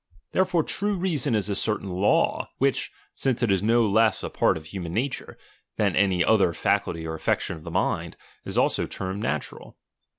Therefore true reason is a certain law; which, since it is no less a part of human nature, than any other faculty or affec tion of the miud, is also termed natural.